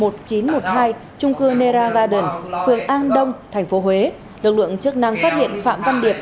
trung cư nera garden phường an đông thành phố huế lực lượng chức năng phát hiện phạm văn điệp